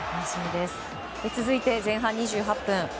続いて前半２８分。